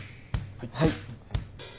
はい。